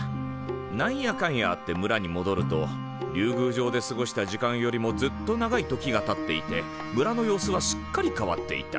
なんやかんやあって村にもどると竜宮城で過ごした時間よりもずっと長い時がたっていて村の様子はすっかり変わっていた。